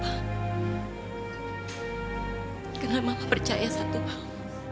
karena mama percaya satu hal